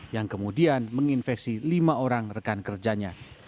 yang kemudian menginfeksi lima orang rekan kerjanya